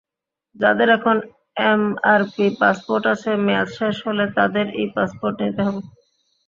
যাঁদের এখন MRP passport আছে, মেয়াদ শেষ হলে তাঁদের ই-পাসপোর্ট নিতে হবে।